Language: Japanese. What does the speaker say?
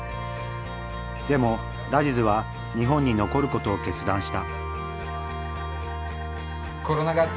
でもラジズは日本に残ることを決断した。